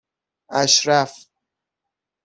اَشرف